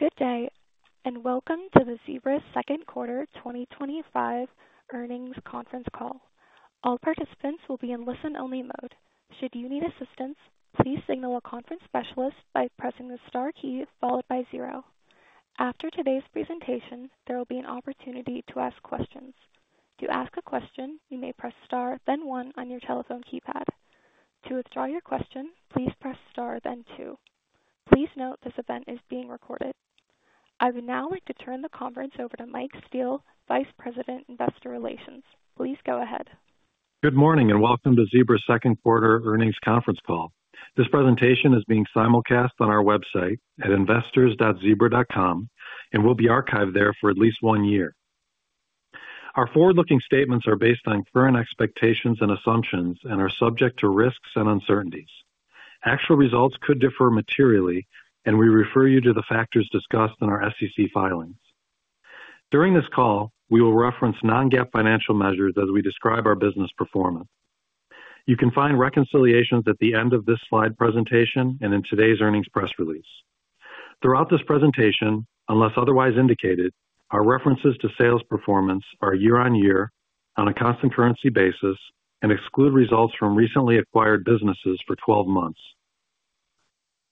Good day and welcome to the Zebra second quarter 2025 earnings conference call. All participants will be in listen only mode. Should you need assistance, please signal a conference specialist by pressing the star key followed by zero. After today's presentation, there will be an opportunity to ask questions. To ask a question, you may press star then one on your telephone keypad. To withdraw your question, please press star then two. Please note this event is being recorded. I would now like to turn the conference over to Mike Steele, Vice President Investor Relations. Please go ahead. Good morning and welcome to Zebra's second quarter earnings conference call. This presentation is being simulcast on our website at investors.zebra.com and will be archived there for at least one year. Our forward-looking statements are based on current expectations and assumptions are subject to risks and uncertainties. Actual results could differ materially, and we refer you to the factors discussed in our SEC filings. During this call we will reference Non-GAAP financial measures as we describe our business performance. You can find reconciliations at the end of this slide presentation and in today's earnings press release. Throughout this presentation, unless otherwise indicated, our references to sales performance are year on year on a constant currency basis and exclude results from recently acquired businesses for 12 months.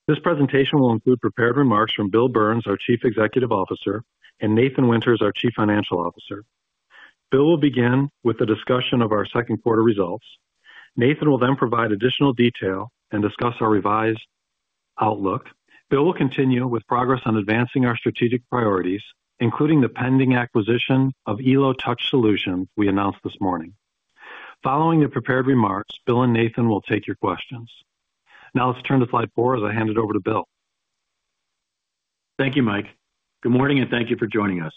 This presentation will include prepared remarks from Bill Burns, our Chief Executive Officer, and Nathan Winters, our Chief Financial Officer. Bill will begin with the discussion of our second quarter results. Nathan will then provide additional detail and discuss our revised outlook. Bill will continue with progress on advancing our strategic priorities, including the pending acquisition of Elo Touch Solutions we announced this morning. Following the prepared remarks, Bill and Nathan will take your questions. Now, let's turn to slide 4 as I hand it over to Bill. Thank you, Mike. Good morning and thank you for joining us.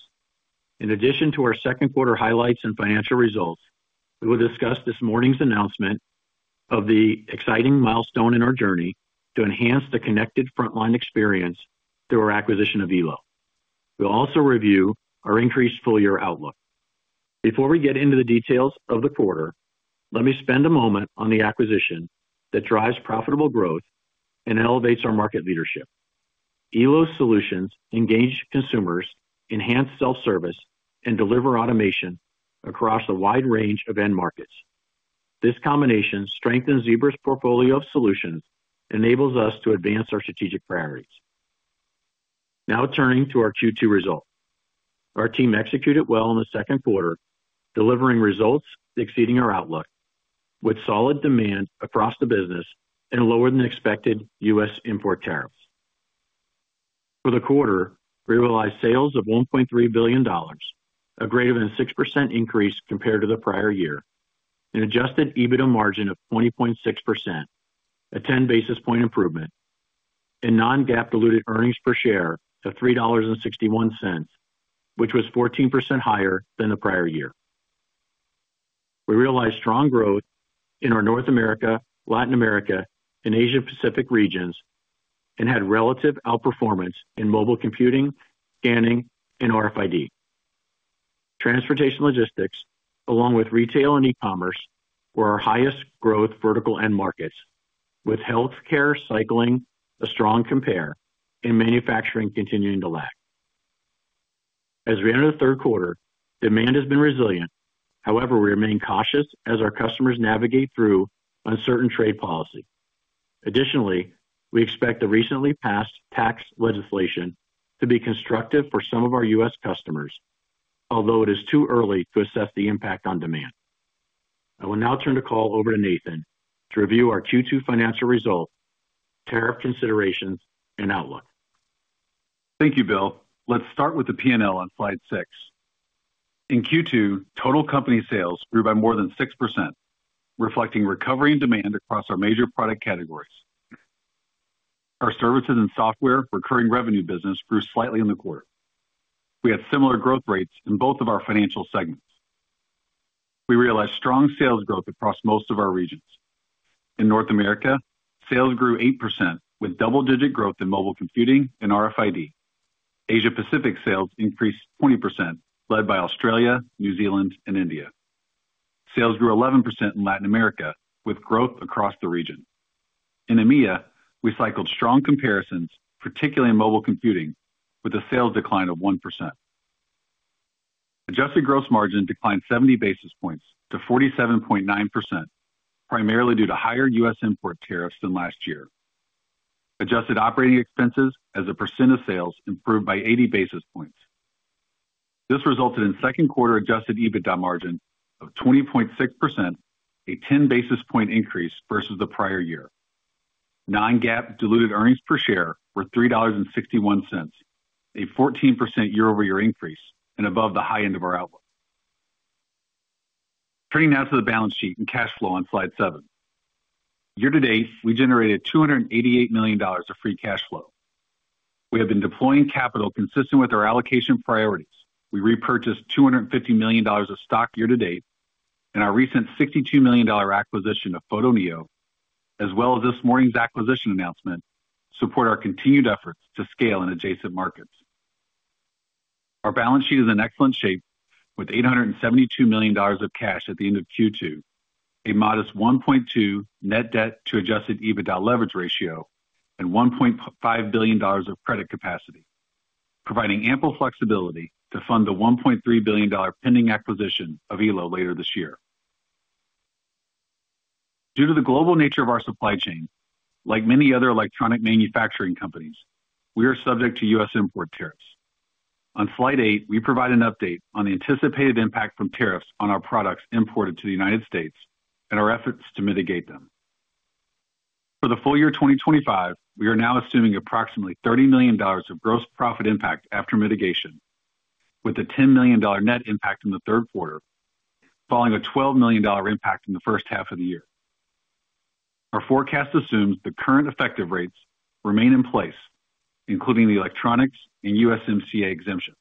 In addition to our second quarter highlights and financial results, we will discuss this morning's announcement of the exciting milestone in our journey to enhance the connected frontline experience through our acquisition of Elo. We'll also review our increased full year outlook. Before we get into the details of the quarter, let me spend a moment on the acquisition that drives profitable growth and elevates our market leadership. Elo’s solutions engage consumers, enhance self-service, and deliver automation across a wide range of end markets. This combination strengthens Zebra's portfolio of solutions and enables us to advance our strategic priorities. Now, turning to our Q2 results, our team executed well in the second quarter, delivering results exceeding our outlook with solid demand across the business and lower than expected U.S. import tariffs for the quarter. We realized sales of $1.3 billion, a greater than 6% increase compared to the prior year, an Adjusted EBITDA margin of 20.6%, a 10 basis point improvement, and Non-GAAP diluted earnings per share of $3.61, which was 14% higher than the prior year. We realized strong growth in our North America, Latin America, and Asia Pacific regions and had relative outperformance in mobile computing, scanning, and RFID. Transportation & logistics, along with retail and e-commerce, were our highest growth vertical end markets, with healthcare cycling a strong compare and manufacturing continuing to lag. As we enter the third quarter, demand has been resilient. However, we remain cautious as our customers navigate through uncertain trade policy. Additionally, we expect the recently passed tax legislation to be constructive for some of our U.S. customers, although it is too early to assess the impact on demand. I will now turn the call over to Nathan to review our Q2 financial results, tariff considerations, and outlook. Thank you Bill. Let's start with the P&L on slide 6. In Q2, total company sales grew by more than 6% reflecting recovery in demand across our major product categories. Our services and software recurring revenue business grew slightly in the quarter. We had similar growth rates in both of our financial segments. We realized strong sales growth across most of our regions. In North America, sales grew 8% with double-digit growth in mobile computing and RFID. Asia Pacific sales increased 20% led by Australia, New Zealand, and India. Sales grew 11% in Latin America with growth across the region. In EMEA, we cycled strong comparisons, particularly in mobile computing, with a sales decline of 1%. Adjusted gross margin declined 70 basis points to 47.9%, primarily due to higher U.S. import tariffs than last year. Adjusted operating expenses as a percent of sales improved by 80 basis points. This resulted in second quarter Adjusted EBITDA margin of 20.6%, a 10 basis point increase versus the prior year. Non-GAAP diluted EPS were $3.61, a 14% year-over-year increase and above the high end of our outlook. Turning now to the balance sheet and cash flow on slide 7, year to date we generated $288 million of free cash flow. We have been deploying capital consistent with our allocation priorities. We repurchased $250 million of stock year to date and our recent $62 million acquisition of Photoneo as well as this morning's acquisition announcement support our continued efforts to scale in adjacent markets. Our balance sheet is in excellent shape with $872 million of cash at the end of Q2, a modest 1.2 net debt to Adjusted EBITDA leverage ratio, and $1.5 billion of credit capacity, providing ample flexibility to fund the $1.3 billion pending acquisition of Elo later this year. Due to the global nature of our supply chain, like many other electronic manufacturing companies, we are subject to U.S. import tariffs. On slide 8, we provide an update on the anticipated impact from tariffs on our products imported to the United States and our efforts to mitigate them for the full year 2025. We are now assuming approximately $30 million of gross profit impact after mitigation, with a $10 million net impact in the third quarter following a $12 million impact in the first half of the year. Our forecast assumes the current effective rates remain in place, including the electronics and USMCA exemptions.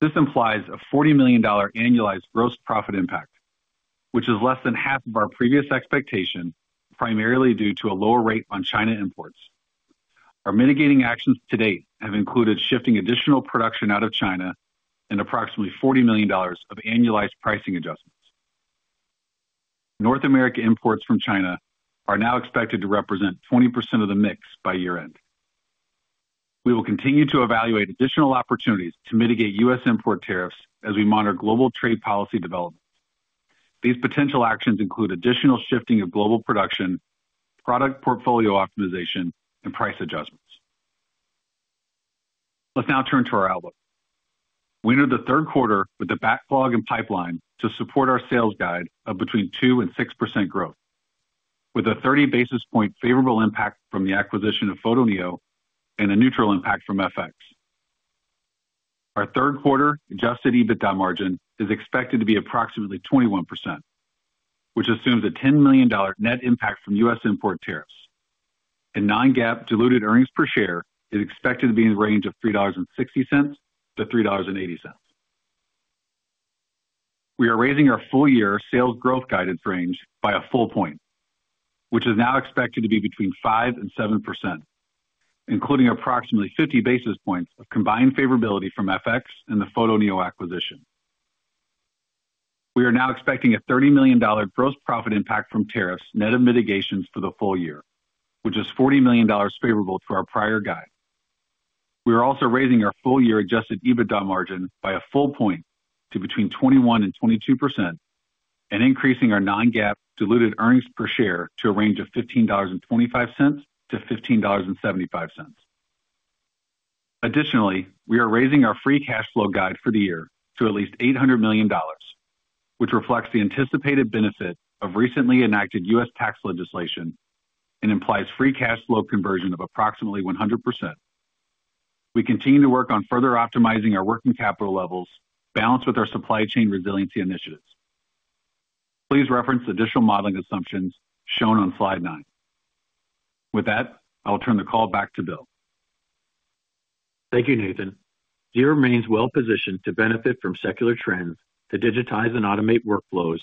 This implies a $40 million annualized gross profit impact, which is less than half of our previous expectation, primarily due to a lower rate on China imports. Our mitigating actions to date have included shifting additional production out of China and approximately $40 million of annualized pricing adjustments. North America imports from China are now expected to represent 20% of the mix by year end. We will continue to evaluate additional opportunities to mitigate U.S. import tariffs as we monitor global trade policy development. These potential actions include additional shifting of global production, product portfolio optimization, and price adjustments. Let's now turn to our outlook. We entered the third quarter with the backlog and pipeline to support our sales guide of between 2% and 6% growth with a 30 basis point favorable impact from the acquisition of Photoneo and a neutral impact from FX. Our third quarter Adjusted EBITDA margin is expected to be approximately 21%, which assumes a $10 million net impact from U.S. import tariffs, and Non-GAAP diluted earnings per share is expected to be in the range of $3.60-$3.80. We are raising our full year sales growth guidance range by a full point, which is now expected to be between 5% and 7%, including approximately 50 basis points of combined favorability from FX and the Photoneo acquisition. We are now expecting a $30 million gross profit impact from tariffs net of mitigations for the full year, which is $40 million favorable to our prior guide. We are also raising our full year Adjusted EBITDA margin by a full point to between 21% and 22% and increasing our Non-GAAP diluted earnings per share to a range of $15.25-$15.75. Additionally, we are raising our free cash flow guide for the year to at least $800 million, which reflects the anticipated benefit of recently enacted U.S. tax legislation and implies free cash flow conversion of approximately 100%. We continue to work on further optimizing our working capital levels balanced with our supply chain resiliency initiatives. Please reference additional modeling assumptions shown on slide 9. With that, I'll turn the call back to Bill. Thank you. Nathan, Zebra remains well positioned to benefit from secular trends to digitize and automate workflows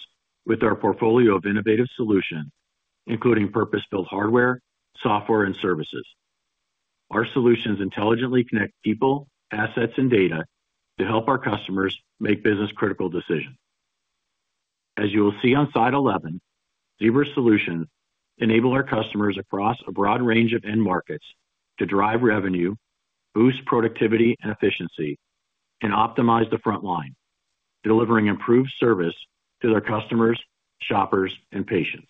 with our portfolio of innovative solutions including purpose-built hardware, software, and services. Our solutions intelligently connect people, assets, and data to help our customers make business-critical decisions. As you will see on slide 11, Zebra's solutions enable our customers across a broad range of end markets to drive revenue, boost productivity and efficiency, and optimize the front line, delivering improved service to their customers, shoppers, and patients.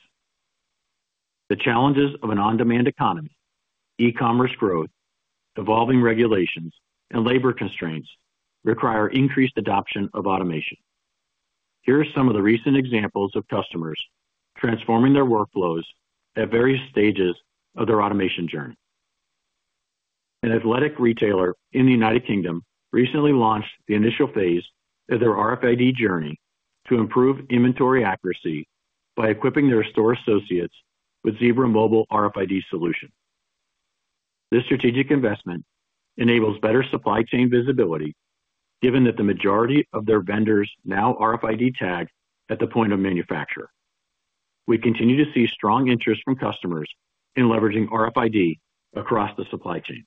The challenges of an on-demand economy, e-commerce growth, evolving regulations, and labor constraints require increased adoption of automation. Here are some of the recent examples of customers transforming their workflows at various stages of their automation journey. An athletic retailer in the United Kingdom recently launched the initial phase of their RFID journey to improve inventory accuracy by equipping their store associates with Zebra mobile RFID solutions. This strategic investment enables better supply chain visibility. Given that the majority of their vendors now RFID tag at the point of manufacture, we continue to see strong interest from customers in leveraging RFID across the supply chain.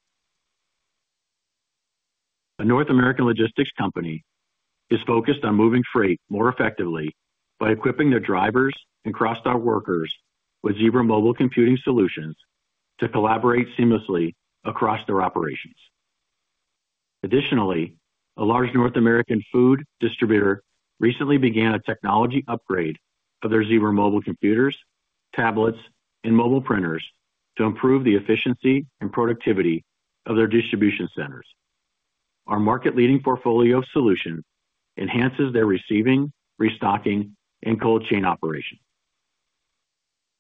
A North American logistics company is focused on moving freight more effectively by equipping their drivers and cross-dock workers with Zebra mobile computing solutions to collaborate seamlessly across their operations. Additionally, a large North American food distributor recently began a technology upgrade of their Zebra mobile computers, tablets, and mobile printers to improve the efficiency and productivity of their distribution centers. Our market-leading portfolio of solutions enhances their receiving, restocking, and cold chain operation.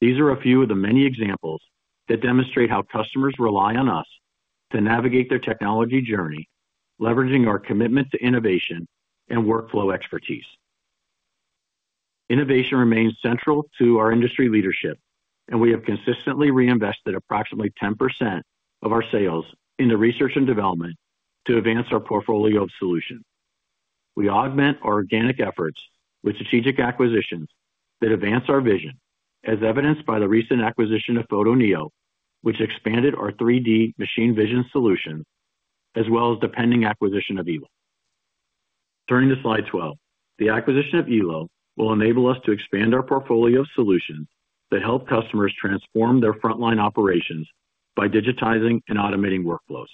These are a few of the many examples that demonstrate how customers rely on us to navigate their technology journey, leveraging our commitment to innovation and workflow expertise. Innovation remains central to our industry leadership, and we have consistently reinvested approximately 10% of our sales into research and development. To advance our portfolio of solutions, we augment our organic efforts with strategic acquisitions that advance our vision, as evidenced by the recent acquisition of Photoneo, which expanded our 3D machine vision solutions, as well as the pending acquisition of Elo. Turning to Slide 12, the acquisition of Elo will enable us to expand our portfolio of solutions that help customers transform their frontline operations by digitizing and automating workflows.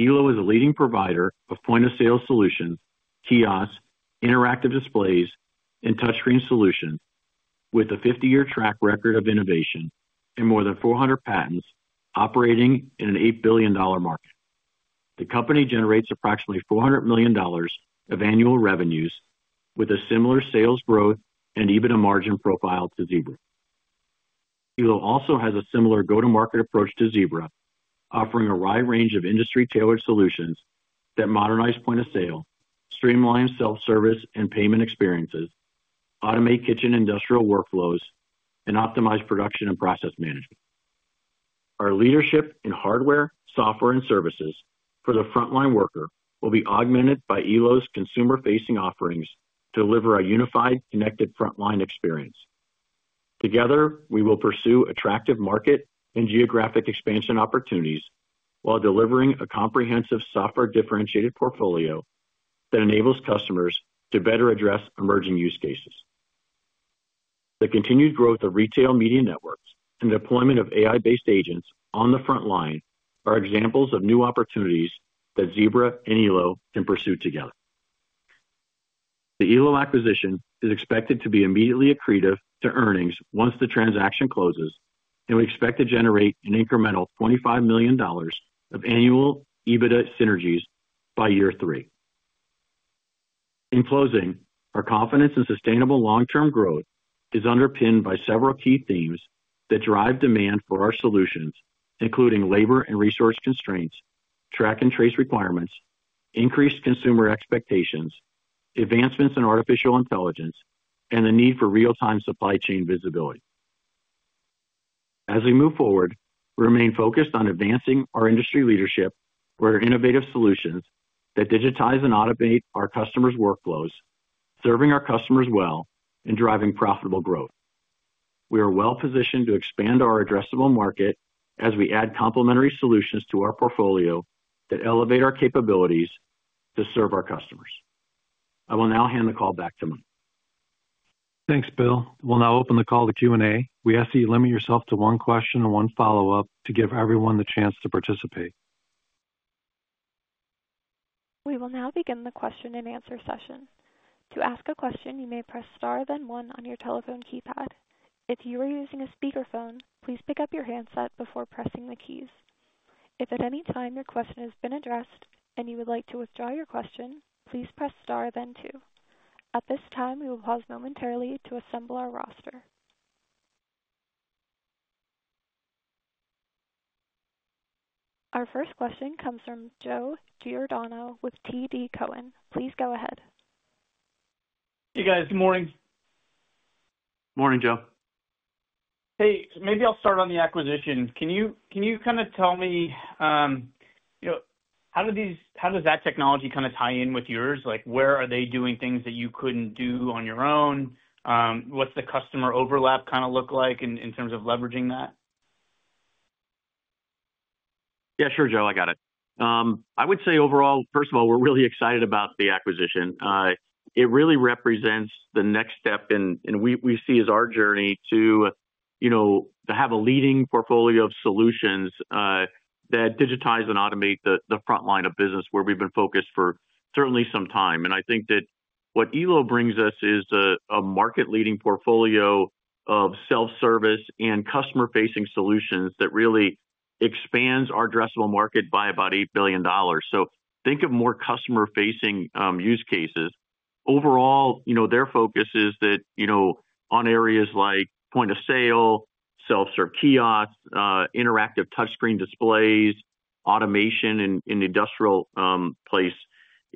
Elo is a leading provider of point-of-sale solutions, kiosk, interactive displays, and touchscreen solutions with a 50-year track record of innovation and more than 400 patents. Operating in an $8 billion market, the company generates approximately $400 million of annual revenues with a similar sales growth and EBITDA margin profile to Zebra. Elo also has a similar go-to-market approach to Zebra, offering a wide range of industry-tailored solutions that modernize point-of-sale, streamline self-service and payment experiences, automate kitchen industrial workflows, and optimize production and process management. Our leadership in hardware, software, and services for the frontline worker will be augmented by Elo’s consumer-facing offerings to deliver a unified, connected frontline experience. Together we will pursue attractive market and geographic expansion opportunities while delivering a comprehensive, software-differentiated portfolio that enables customers to better address emerging use cases. The continued growth of retail media networks and deployment of AI-based agents on the frontline are examples of new opportunities that Zebra and Elo can pursue together. The Elo acquisition is expected to be immediately accretive to earnings once the transaction closes, and we expect to generate an incremental $25 million of annual EBITDA synergies by year three. In closing, our confidence in sustainable long-term growth is underpinned by several key themes that drive demand for our solutions, including labor and resource constraints, track and trace requirements, increased consumer expectations, advancements in artificial intelligence, and the need for real-time supply chain visibility. As we move forward, we remain focused on advancing our industry leadership with innovative solutions that digitize and automate our customers’ workflows, serving our customers well, and driving profitable growth. We are well positioned to expand our addressable market as we add complementary solutions to our portfolio that elevate our capabilities to serve our customers. I will now hand the call back to Mike. Thanks, Bill. We'll now open the call to Q&A. We ask that you limit yourself to one question and one follow-up to give everyone the chance to participate. We will now begin the question and answer session. To ask a question, you may press star, then one on your telephone keypad. If you are using a speakerphone, please pick up your handset before pressing the keys. If at any time your question has been addressed and you would like to withdraw your question, please press star then two. At this time, we will pause momentarily to assemble our roster. Our first question comes from Joe Giordano with TD Cowen. Please go ahead. Hey guys, good morning. Morning Joe. Maybe I'll start on the acquisition. Can you kind of tell me how does that technology kind of tie in with yours? Where are they doing things that you couldn't do on your own? What's the customer overlap kind of look like in terms of leveraging that? Yeah, sure Joe, I got it. I would say overall, first of all, we're really excited about the acquisition. It really represents the next step and we see as our journey to have a leading portfolio of solutions that digitize and automate the front line of business where we've been focused for certainly some time. I think that what Elo brings us is a market leading portfolio of self service and customer facing solutions that really expands our addressable market by about $8 billion. Think of more customer facing use cases. Overall, their focus is on areas like point-of-sale, self serve kiosks, interactive touchscreen displays, automation in the industrial place.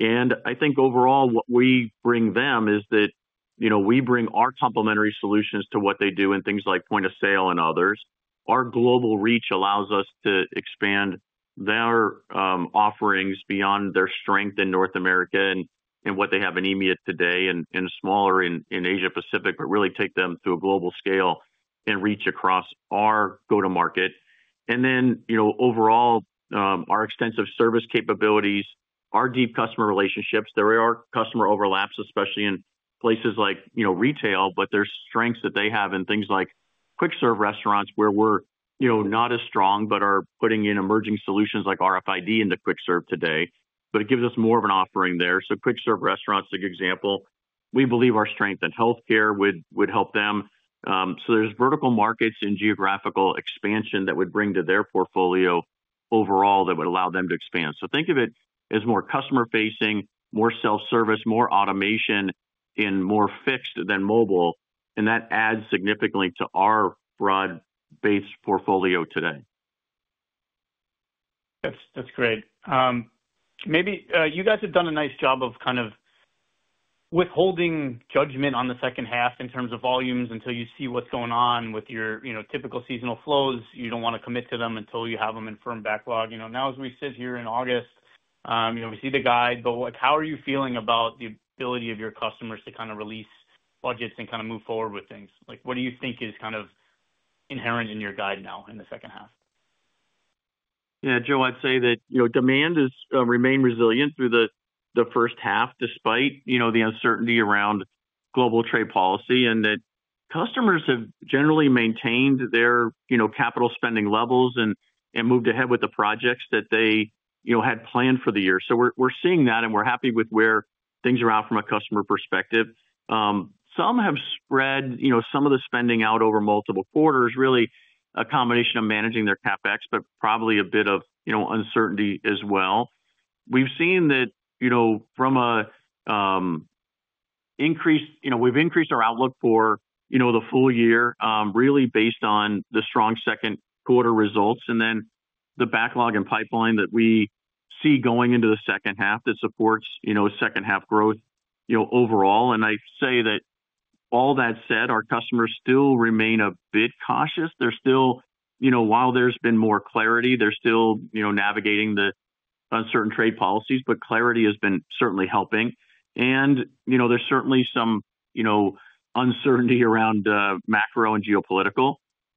I think overall what we bring them is that we bring our complementary solutions to what they do in things like point-of-sale and others. Our global reach allows us to expand their offerings beyond their strength in North America and what they have in EMEA today and smaller in Asia Pacific, but really take them to a global scale and reach across our go-to-market. Overall, our extensive service capabilities and our deep customer relationships. There are customer overlaps, especially in places like retail, but there are strengths that they have in things like quick serve restaurants where we're not as strong but are putting in emerging solutions like RFID into quick serve today, but it gives us more of an offering there. Quick serve restaurants are a good example. We believe our strength in healthcare would help them. There are vertical markets and geographical expansion that would bring to their portfolio overall that would allow them to expand. Think of it as more customer facing, more self service, more automation in more fixed than mobile and that adds significantly to our broad based portfolio today. That's great. Maybe you guys have done a nice job of kind of withholding judgment on the second half in terms of volumes until you see what's going on with your typical seasonal flows. You don't want to commit to them until you have them in firm backlog, you know. Now as we sit here in August, you know, we see the guide, but how are you feeling about the ability of your customers to kind of release budgets and kind of move forward with things like what do you think is kind of inherent in your guide now in the second half? Yeah Joe, I'd say that, you know, demand has remained resilient through the first half despite, you know, the uncertainty around global trade policy and that customers have generally maintained their, you know, capital spending levels and moved ahead with the projects that they, you know, had planned for the year. We're seeing that and we're happy with where things are at from a customer perspective. Some have spread, you know, some of the spending out over multiple quarters. Really a combination of managing their CapEx but probably a bit of, you know, uncertainty as well. We've seen that, you know, we've increased our outlook for, you know, the full year really based on the strong second quarter results and then the backlog and pipeline that we see going into the second half that supports, you know, second half growth overall. I say that all that said, our customers still remain a bit cautious. They're still, you know, while there's been more clarity, they're still, you know, navigating the uncertain trade policies. Clarity has been certainly helping and, you know, there's certainly some, you know, uncertainty around macro and geopolitical.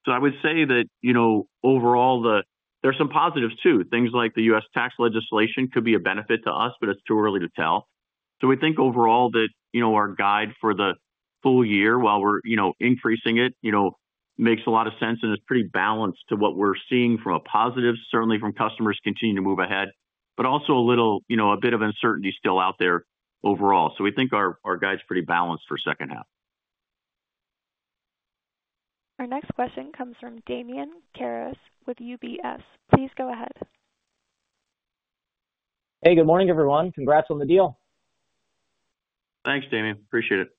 I would say that, you know, overall, there are some positives too. Things like the U.S. tax legislation could be a benefit to us, but it's too early to tell. We think overall that, you know, our guide for the full year, while we're, you know, increasing it, you know, makes a lot of sense and it's pretty balanced to what we're seeing from a positive certainly from customers continue to move ahead but also a little, you know, a bit of uncertainty still out there overall. We think our guide's pretty balanced for second half. Our next question comes from Damian Karas with UBS. Please go ahead. Hey, good morning everyone. Congrats on the deal. Thanks Damian, appreciate it.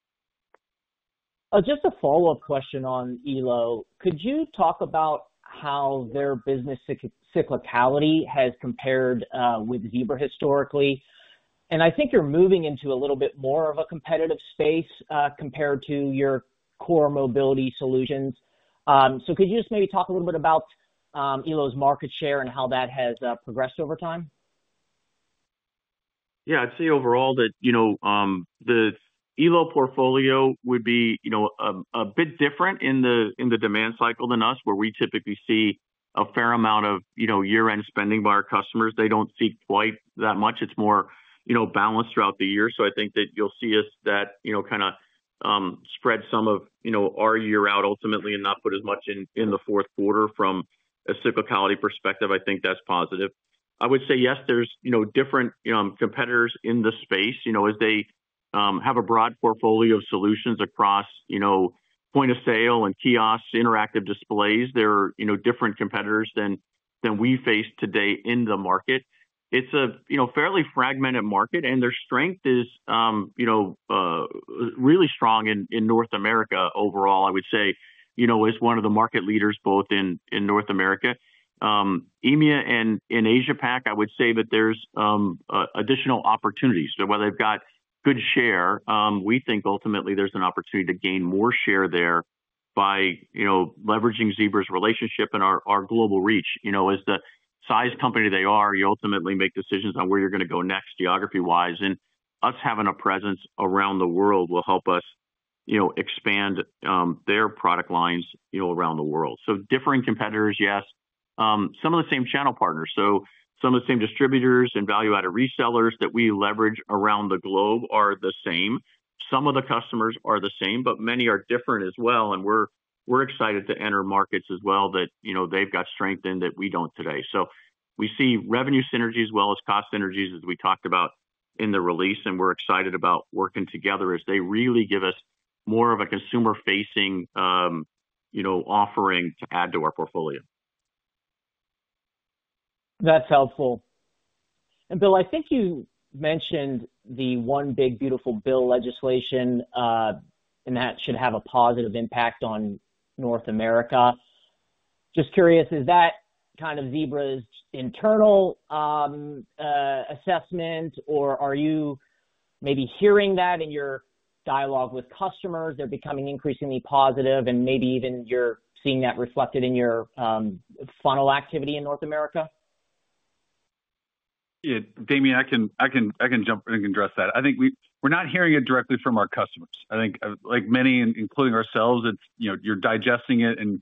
Just a follow up question on ELO. Could you talk about how their business cyclicality has compared with Zebra historically? I think you're moving into a little bit more of a competitive space compared to your core mobility solutions. Could you just maybe talk a little bit about ELO's market share and how that has progressed over time? Yeah, I'd say overall that the Elo portfolio would be a bit different in the demand cycle than us, where we typically see a fair amount of year end spending by our customers. They don't see quite that much. It's more balanced throughout the year. I think that you'll see us spread some of our year out ultimately and not put as much in the fourth quarter. From a cyclicality perspective, I think that's positive. I would say yes, there are different competitors in the space, as they have a broad portfolio of solutions across point-of-sale and kiosks, interactive displays. There are different competitors than we face today in the market. It's a fairly fragmented market and their strength is really strong in North America. Overall, I would say as one of the market leaders both in North America, EMEA, and in Asia Pacific, I would say that there's additional opportunities. While they've got good share, we think ultimately there's an opportunity to gain more share there by leveraging Zebra's relationship and our global reach. As the size company they are, you ultimately make decisions on where you're going to go next, geography wise. Us having a presence around the world will help us expand their product lines around the world. Different competitors, yes, some of the same channel partners, so some of the same distributors and value added resellers that we leverage around the globe are the same. Some of the customers are the same, but many are different as well. We're excited to enter markets as well that they've got strength in that we don't today. We see revenue synergies as well as cost synergies as we talked about in the release and we're excited about working together as they really give us more of a consumer facing offering to add to our portfolio. That's helpful. Bill, I think you mentioned the one big beautiful bill legislation and that should have a positive impact on North America. Just curious, is that kind of Zebra's internal assessment or are you maybe hearing that in your dialogue with customers? They're becoming increasingly positive and maybe even you're seeing that reflected in your funnel activity in North America. Yeah, Damian, I can jump and address that. I think we're not hearing it directly from our customers. I think like many, including ourselves, it's, you know, you're digesting it and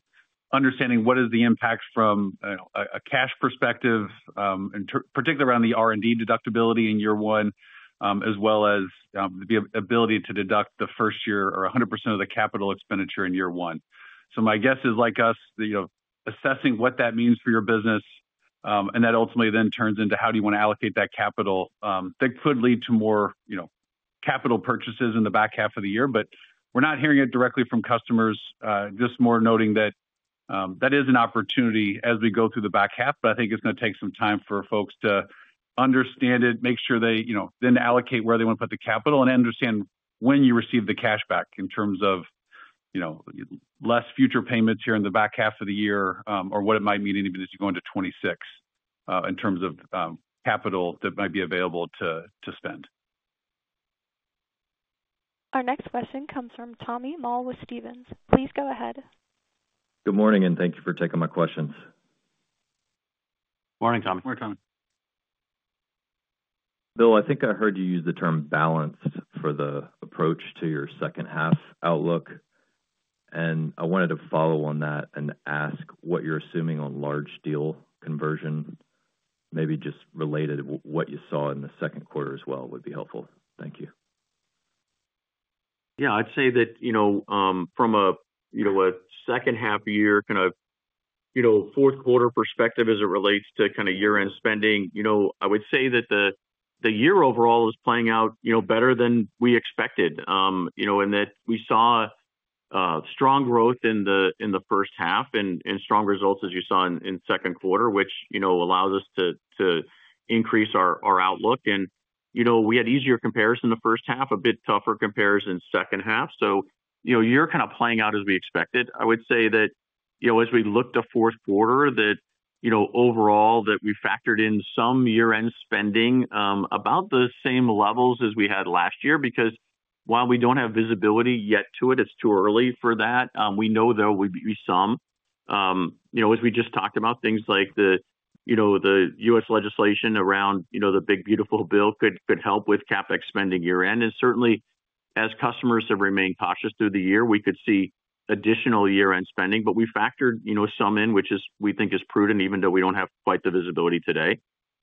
understanding what is the impact from a cash perspective and particularly around the R&D deductibility in year one as well as the ability to deduct the first year or 100% of the capital expenditure in year one. My guess is like us, you know, assessing what that means for your business and that ultimately then turns into how do you want to allocate that capital that could lead to more, you know, capital purchases in the back half of the year. We're not hearing it directly from customers, just more noting that that is an opportunity as we go through the back half, but I think it's going to take some time for folks to understand it, make sure they, you know, then allocate where they want to put the capital and understand when you receive the cash back in terms of, you know, less future payments here in the back half of the year or what it might mean as you go into 2026 in terms of capital that might be available to spend. Our next question comes from Tommy Moll with Stephens. Please go ahead. Good morning and thank you for taking my questions. Morning, Tommy. We're coming. Bill, I think I heard you use the term balance for the approach to your second half outlook and I wanted to follow on that and ask what you're assuming on large deal conversion. Maybe just related what you saw in the second quarter as well would be helpful. Thank you. Yeah, I'd say that from a second half of year, kind of fourth quarter perspective as it relates to year end spending, I would say that the year overall is playing out better than we expected. In that we saw strong growth in the first half and strong results as you saw in second quarter, which allows us to increase our outlook. We had easier comparison the first half, a bit tougher comparison second half, so it's kind of playing out as we expected. I would say that as we look to fourth quarter, overall we factored in some year end spending about the same levels as we had last year because while we don't have visibility yet to it, it's too early for that. We know there will be some, as we just talked about, things like the U.S. legislation around the big beautiful Bill, could help with CapEx spending year end and certainly as customers have remained cautious through the year we could see additional year end spending. We factored some in, which we think is prudent even though we don't have quite the visibility today.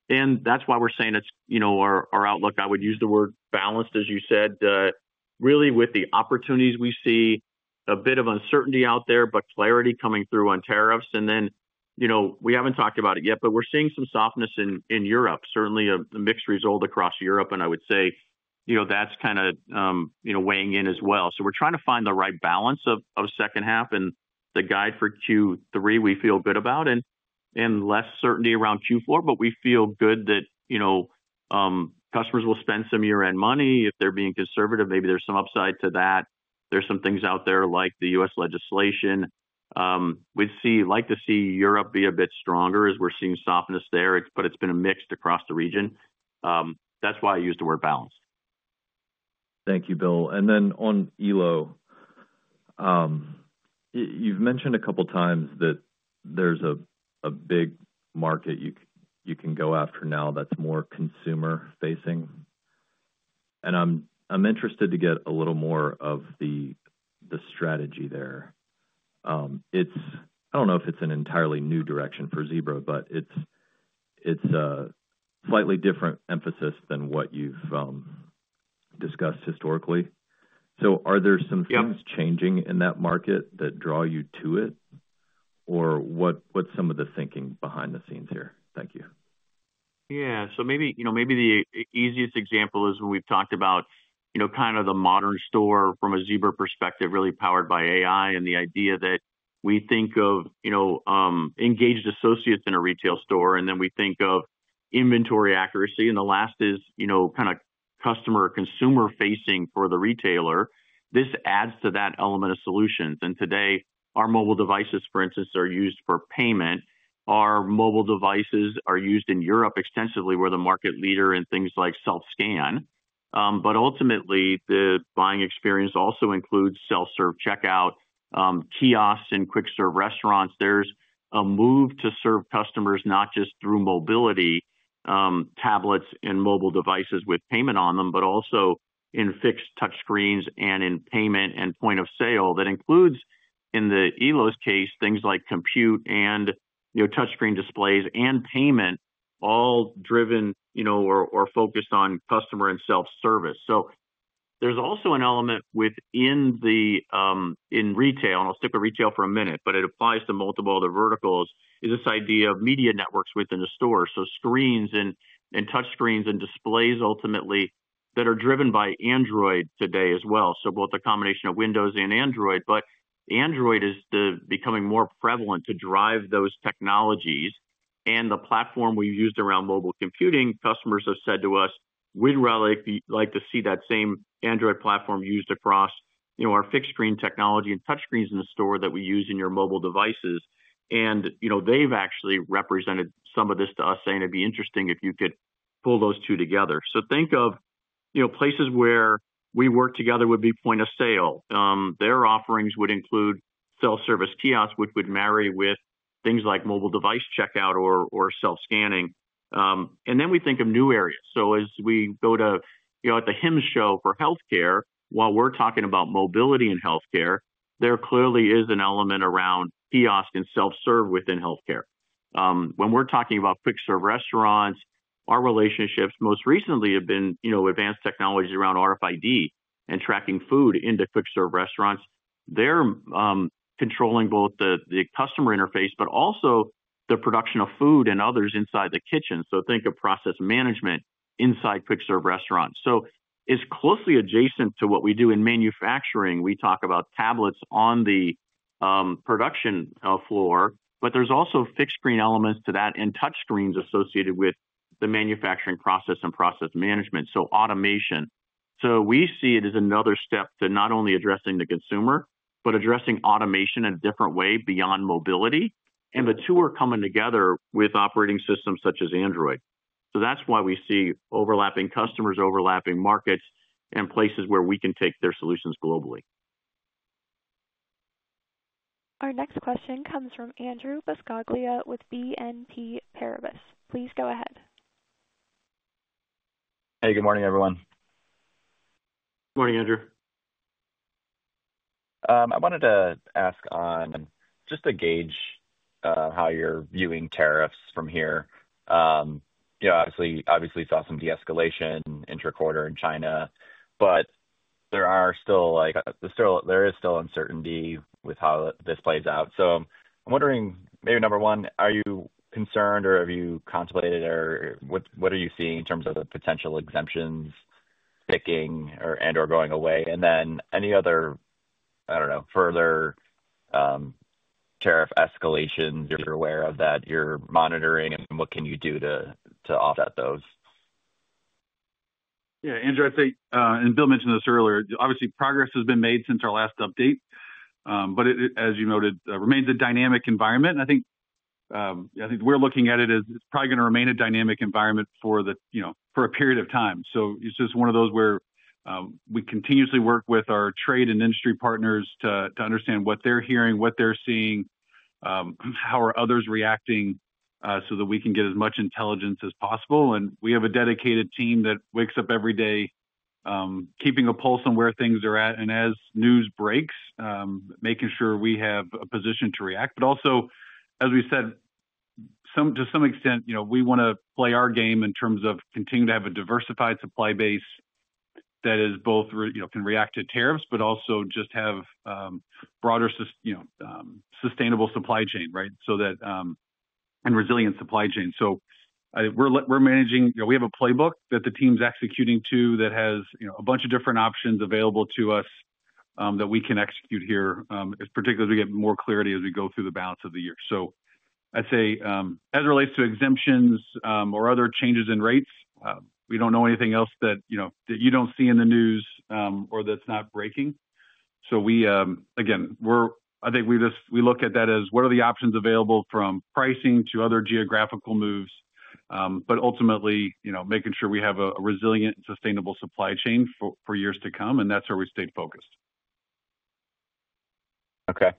That's why we're saying it's our outlook. I would use the word balanced as you said, really with the opportunities. We see a bit of uncertainty out there, but clarity coming through on tariffs and then we haven't talked about it yet, but we're seeing some softness in Europe, certainly the mixed result across Europe, and I would say that's kind of weighing in as well. We're trying to find the right balance of second half and the guide for Q3 we feel good about and less certainty around Q4, but we feel good that customers will spend some year end money if they're being conservative. Maybe there's some upside to that. There's some things out there like the U.S. legislation. We'd like to see Europe be a bit stronger as we're seeing softness there, but it's been a mix across the region. That's why I use the word balance. Thank you, Bill. On Elo, you've mentioned a couple times that there's a big market you can go after now that's more consumer facing, and I'm interested to get a little more of the strategy there. I don't know if it's an entirely new direction for Zebra, but it's a slightly different emphasis than what you've discussed historically. Are there some things changing in that market that draw you to it, or what's some of the thinking behind the scenes here? Thank you. Maybe the easiest example is when we've talked about the modern store from a Zebra perspective, really powered by AI and the idea that we think of engaged associates in a retail store. Then we think of inventory accuracy, and the last is kind of customer consumer facing for the retailer. This adds to that element of solutions. Today our mobile devices, for instance, are used for payment. Our mobile devices are used in Europe extensively, where we're the market leader in things like self scan. Ultimately, the buying experience also includes self-serve checkout kiosks and quick-serve restaurants. There's a move to serve customers not just through mobility tablets and mobile devices with payment on them, but also in fixed touchscreens and in payment and point-of-sale. That includes, in Elo’s case, things like compute and touchscreen displays and payment, all driven or focused on customer and self service. There's also an element within retail, and I'll stick with retail for a minute, but it applies to multiple other verticals, which is this idea of media networks within the store. Screens and touch screens and displays ultimately are driven by Android today as well. The combination of Windows and Android, but Android is becoming more prevalent to drive those technologies. The platform we've used around mobile computing, customers have said to us they like to see that same Android platform used across our fixed screen technology and touchscreens in the store that we use in your mobile devices. They've actually represented some of this to us, saying it'd be interesting if you could pull those two together. Think of places where we work together: point-of-sale, their offerings would include self-service kiosks, which would marry with things like mobile device checkout or self scanning, and then we think of new areas. As we go to the HIMSS show for healthcare, while we're talking about mobility in healthcare, there clearly is an element around kiosk and self-serve within healthcare. When we're talking about quick serve restaurants, our relationships most recently have been advanced technologies around RFID and tracking food into quick serve restaurants. They're controlling both the customer interface but also the production of food and others inside the kitchen. Think of process management inside quick serve restaurants. It's closely adjacent to what we do in manufacturing. We talk about tablets on the production floor, but there's also fixed screen elements to that and touch screens associated with the manufacturing process and process management, so automation. We see it as another step to not only addressing the consumer, but addressing automation in a different way beyond mobility. The two are coming together with operating systems such as Android. That's why we see overlapping customers, overlapping markets, and places where we can take their solutions globally. Our next question comes from Andrew Buscaglia with BNP Paribas. Please go ahead. Hey, good morning everyone. Morning Andrew. I wanted to ask on just a gauge how you're viewing tariffs from here. You know, obviously saw some de-escalation intra quarter in China, but there is still uncertainty with how this plays out. I'm wondering maybe number one, are you concerned or have you contemplated or what are you seeing in terms of the potential exemptions picking or going away, and then any other, I don't know, further tariff escalation you're aware of that you're monitoring, and what can you do to offset those? Yeah, Andrew, I think, and Bill mentioned this earlier, obviously progress has been made since our last update, but it, as you noted, remains a dynamic environment. I think we're looking at it as probably going to remain a dynamic environment for the, you know, for a period of time. It's just one of those where we continuously work with our trade and industry partners to understand what they're hearing, what they're seeing, how are others reacting so that we can get as much intelligence as possible. We have a dedicated team that wakes up every day keeping a pulse on where things are at, and as news breaks, making sure we have a position to react. Also, as we said to some extent, you know, we want to play our game in terms of continuing to have a diversified supply base that is both, you know, can react to tariffs, but also just have broader, you know, sustainable supply chain. Right. That and resilient supply chain. We're managing, we have a playbook that the team's executing to that has a bunch of different options available to us that we can execute here. Particularly, we get more clarity as we go through the balance of the year. I'd say as it relates to exemptions or other changes in rates, we don't know anything else that you don't see in the news or that's not breaking. We just look at that as what are the options available from pricing to other geographical moves, but ultimately, making sure we have a resilient, sustainable supply chain for years to come. That's where we stayed focused.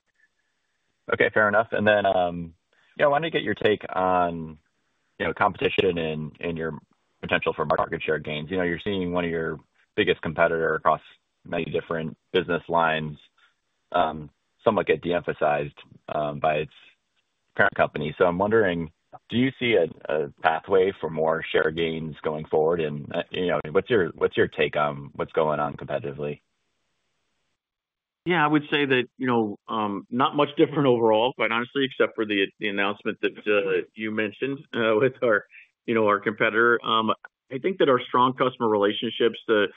Okay, fair enough. I wanted to get your take on competition and your potential for market share gains. You're seeing one of your biggest competitors across many different business lines somewhat get de-emphasized by its parent company. I'm wondering, do you see a pathway for more share gains going forward? What's your take on what's going on competitively? Yeah, I would say that not much different overall, quite honestly, except for the announcement that you mentioned with our competitor. I think that our strong customer relationships, the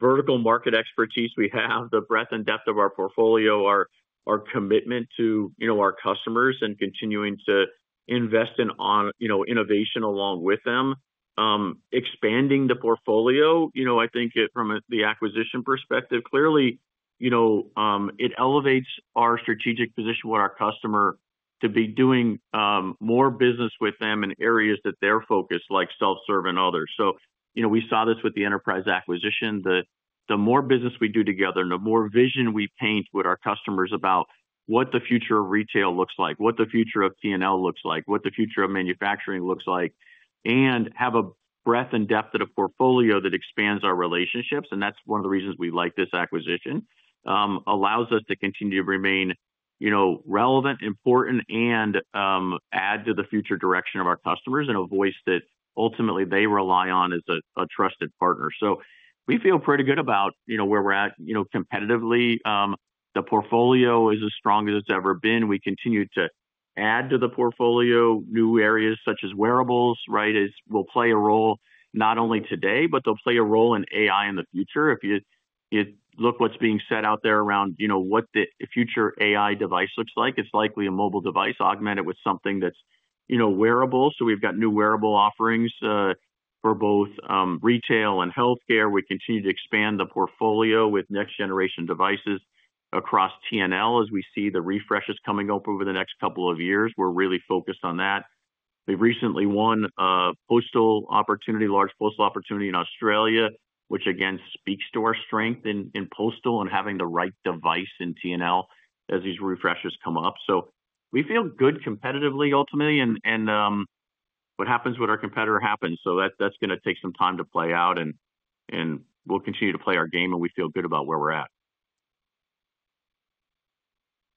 vertical market expertise we have, the breadth and depth of our portfolio, our commitment to our customers, and continuing to invest in innovation along with them, expanding the portfolio. I think from the acquisition perspective, clearly it elevates our strategic position with our customer to be doing more business with them in areas that they're focused, like self-serve and others. We saw this with the enterprise acquisition. The more business we do together, the more vision we paint with our customers about what the future of retail looks like, what the future of P&L looks like, what the future of manufacturing looks like, and have a breadth and depth of the portfolio that expands our relationships. That's one of the reasons we like this acquisition. It allows us to continue to remain relevant, important, and add to the future direction of our customers in a voice that ultimately they rely on as a trusted partner. We feel pretty good about where we're at. Competitively, the portfolio is as strong as it's ever been. We continue to add to the portfolio new areas such as wearables. Right. Will play a role not only today but they'll play a role in AI in the future. If you look at what's being said out there around what the future AI device looks like, it's likely a mobile device augmented with something that's wearable. We've got new wearable offerings for both retail and healthcare. We continue to expand the portfolio with next generation devices across T&L as we see the refreshes coming up over the next couple of years. We're really focused on that. We've recently won a large postal opportunity in Australia, which again speaks to our strength in postal and having the right device in T&L as these refreshes come up. We feel good competitively, ultimately, and what happens with our competitor happens. That's going to take some time to play out and we'll continue to play our game and we feel good about where we're at.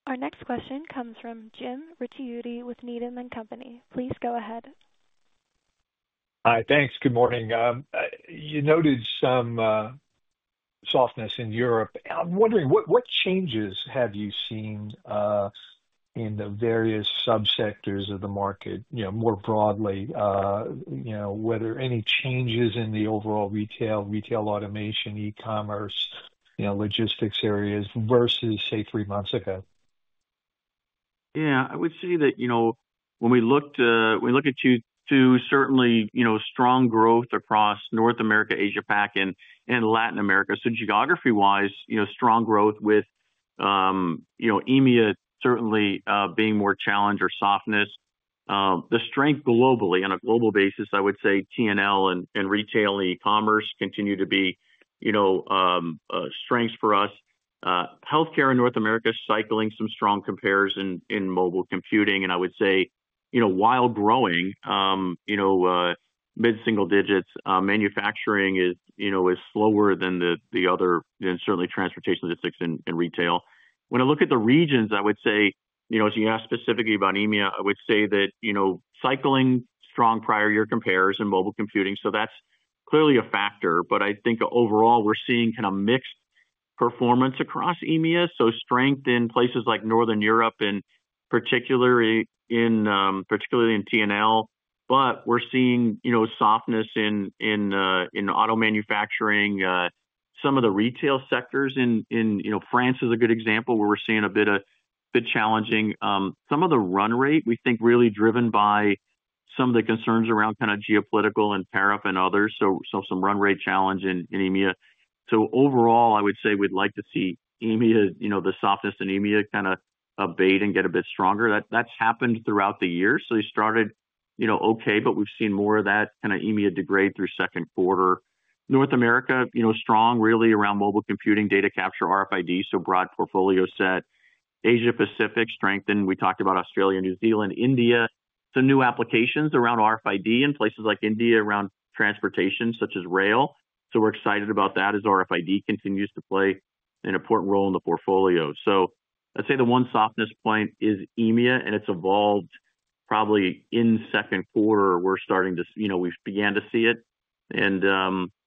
Our next question comes from Jim Ricchiuti with Needham & Company. Please go ahead. Hi. Thanks. Good morning. You noted some softness in Europe. I'm wondering what changes have you seen in the various subsectors of the market, you know, more broadly, whether any changes in the overall retail. Retail, automation, e-commerce, you know, logistics. Areas versus say three months ago? Yeah, I would say that, you know, when we looked, we look at Q2 certainly, you know, strong growth across North America, Asia Pacific, and Latin America. Geography wise, you know, strong growth with, you know, EMEA certainly being more challenged or softness, the strength globally on a global basis. I would say transportation & logistics and retail and e-commerce continue to be, you know, strengths for us. Healthcare in North America cycling some strong compares in mobile computing. I would say, you know, while growing, you know, mid single digits, manufacturing is, you know, is slower than the other, than certainly transportation & logistics and retail. When I look at the regions, I would say, you know, as you asked specifically about EMEA, I would say that, you know, cycling strong prior year compares in mobile computing, so that's clearly a factor. I think overall we're seeing kind of mixed performance across EMEA. Strength in places like Northern Europe, particularly in transportation & logistics. We're seeing, you know, softness in auto manufacturing, some of the retail sectors in, you know, France is a good example where we're seeing a bit of challenging some of the run rate. We think really driven by some of the concerns around kind of geopolitical and parap and others. Some run rate challenge in EMEA. Overall, I would say we'd like to see EMEA, you know, the softness in EMEA kind of abate and get a bit stronger. That's happened throughout the year. They started, you know, okay, but we've seen more of that kind of EMEA degrade through second quarter. North America, you know, strong really around mobile computing, data capture, RFID. Broad portfolio set. Asia Pacific strengthened. We talked about Australia, New Zealand, India, some new applications around RFID in places like India, around transportation such as rail. We're excited about that as RFID continues to play an important role in the portfolio. I'd say the one softness point is EMEA and it's evolved probably in second quarter. We're starting to, you know, we began to see it and,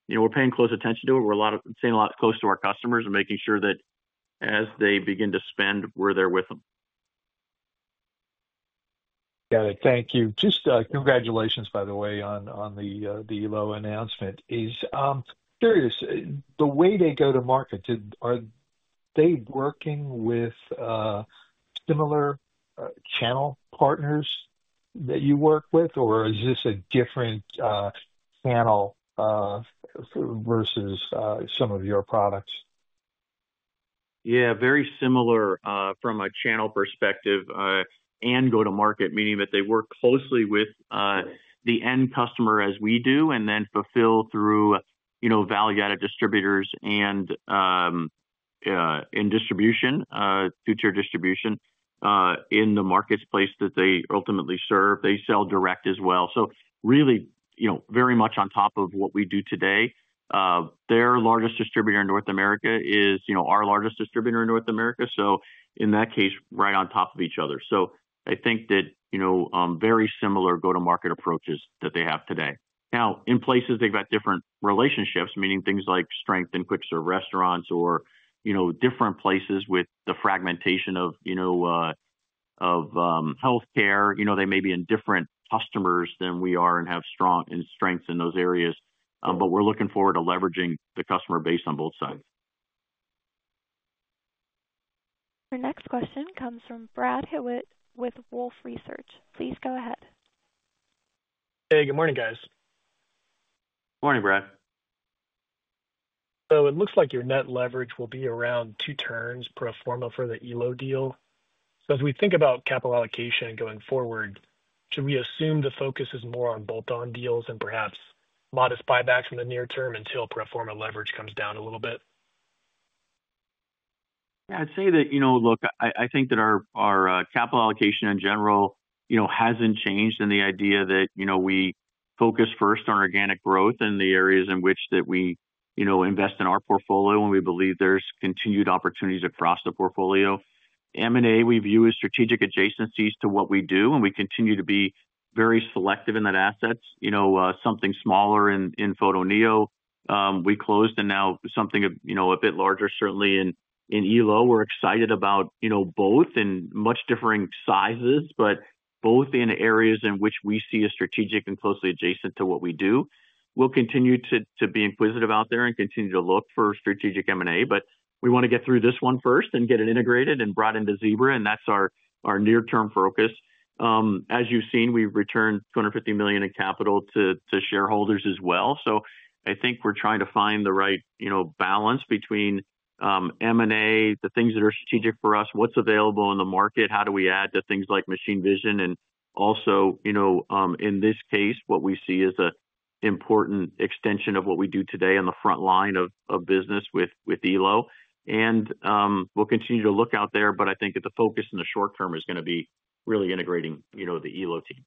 you know, we're paying close attention to it. We're saying a lot close to our customers and making sure that as they begin to spend, we're there with them. Got it. Thank you. Just congratulations by the way on the Elo announcement. Is curious the way they go to market. Are they working with similar channel partners that you work with or is this a different panel versus some of your products? Yeah, very similar from a channel perspective. Go to market meaning that they work closely with the end customer as we do and then fulfill through value added distributors and in distribution, two tier distribution in the marketplace that they ultimately serve, they sell direct as well. Really, very much on top of what we do today, their largest distributor in North America is our largest distributor in North America. In that case, right on top of each other. I think that very similar go to market approaches that they have today. Now in places they've got different relationships, meaning things like strength in quick serve restaurants or different places with the fragmentation of health care. They may be in different customers than we are and have strong and strength in those areas, but we're looking forward to leveraging the customer base on both sides. Our next question comes from Brad Hewitt with Wolfe Research. Please go ahead. Hey, good morning, guys. Morning, Brad. It looks like your net leverage will be around two turns pro forma for the Elo deal. As we think about capital allocation going forward, should we assume the focus is more on bolt-on deals and perhaps modest buybacks in the near term until pro forma leverage comes down a little bit? Yeah, I'd say that, you know, our capital allocation in general hasn't changed in the idea that we focus first on organic growth and the areas in which we invest in our portfolio, and we believe there's continued opportunities across the portfolio. M&A we view as strategic adjacencies to what we do, and we continue to be very selective in that. Assets, you know, something smaller in Photoneo we closed, and now something a bit larger certainly in Elo we're excited about, both in much differing sizes but both in areas in which we see as strategic and closely adjacent to what we do. We'll continue to be inquisitive out there and continue to look for strategic M&A. We want to get through this one first and get it integrated and brought into Zebra. That's our near-term focus. As you've seen, we returned $250 million in capital to shareholders as well. I think we're trying to find the right balance between M&A, the things that are strategic for us, what's available in the market, how do we add to things like machine vision. Also, in this case, what we see is an important extension of what we do today on the front line of business with Elo’s portfolio, and we'll continue to look out there, but I think that the focus in the short term is going to be really integrating the Elo team.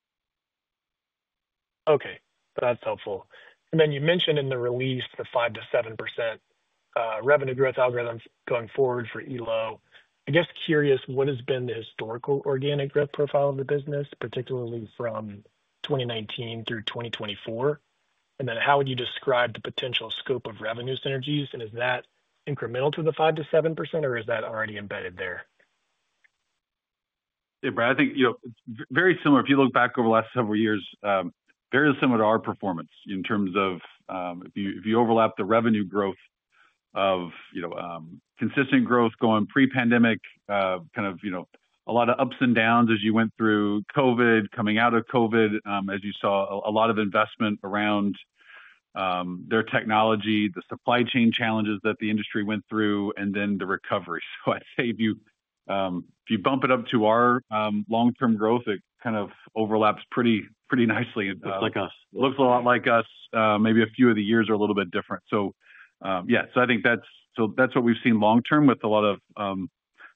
Okay, that's helpful. You mentioned in the release the 5%-7% revenue growth algorithms going forward for Elo. I guess, curious what has been the historical organic growth profile of the business, particularly from 2019 through 2024. How would you describe the potential scope of revenue synergies, and is that incremental to the 5%-7%, or is that already embedded there? I think, you know, very similar, if you look back over the last several years, very similar to our performance in terms of if you overlap the revenue growth of, you know, consistent growth going pre-pandemic, kind of, you know, a lot of ups and downs as you went through COVID, coming out of COVID as you saw a lot of investment around their technology, the supply chain challenges that the industry went through, and then the recovery. I'd say if you bump it up to our long-term growth, it kind of overlaps pretty nicely like us, looks a lot like us. Maybe a few of the years are a little bit different. I think that's what we've seen long term with a lot of